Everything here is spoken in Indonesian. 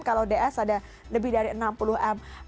kalau ds ada lebih dari enam puluh miliar